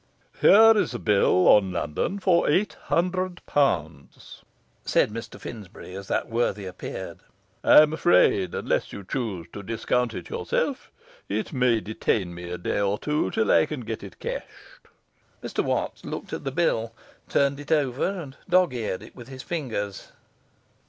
'Here is a bill on London for eight hundred pounds,' said Mr Finsbury, as that worthy appeared. 'I am afraid, unless you choose to discount it yourself, it may detain me a day or two till I can get it cashed.' Mr Watts looked at the bill, turned it over, and dogs eared it with his fingers.